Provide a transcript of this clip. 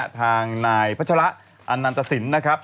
ทางนายพัชระอันนันตสินนะครับ